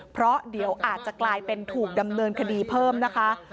เพราะเดี๋ยวอาจจะกลายเป็นถูกดำเนินคดีเพิ่มนะคะ